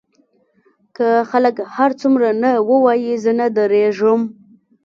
که خلک هر څومره نه ووايي زه نه درېږم.